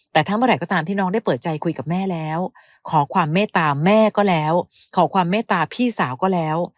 แต่ทั้งเมื่อไหร่ก็ตามที่น้องได้เปิดใจคุยกับแม่แล้วขอความเมตตาแม่ก็แล้วขอความเมตตาพี่สาวก็แล้ว